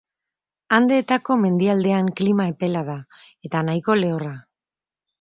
Andeetako mendialdean klima epela da, eta nahiko lehorra.